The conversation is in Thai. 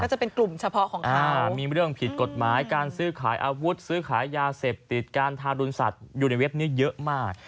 จะเป็นกลุ่มเฉพาะของเขามีเรื่องผิดกฎหมายการซื้อขายอาวุธซื้อขายยาเสพติดการทารุณสัตว์อยู่ในเว็บนี้เยอะมาก